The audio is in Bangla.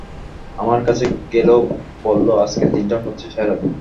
আমি কাছে গেলে ও বলল, আজকের দিনটা সবচেয়ে সেরা দিন।